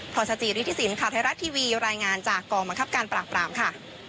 ศจิริฐศิลปข่าวไทยรัฐทีวีรายงานจากกองบังคับการปราบปรามค่ะ